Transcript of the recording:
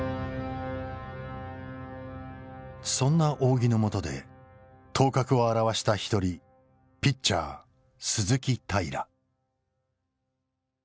そんな仰木のもとで頭角を現した一人ピッチャー鈴木平。